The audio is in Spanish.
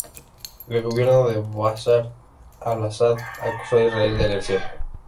El gobierno de Bashar al-Ásad acusó a Israel de "agresión".